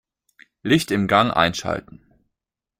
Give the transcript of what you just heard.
Licht im Gang einschalten.